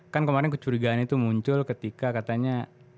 kan kemarin kecurigaan itu muncul ketika katanya